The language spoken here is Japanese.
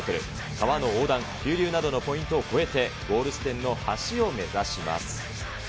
川の横断、急流などのポイントを超えて、ゴール地点の橋を目指します。